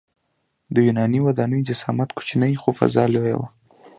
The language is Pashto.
د یوناني ودانیو جسامت کوچنی خو فضا لویه وه.